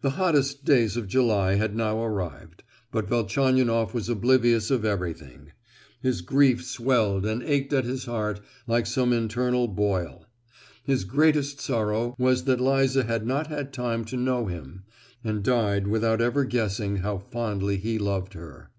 The hottest days of July had now arrived, but Velchaninoff was oblivious of everything. His grief swelled and ached at his heart like some internal boil; his greatest sorrow was that Liza had not had time to know him, and died without ever guessing how fondly he loved her.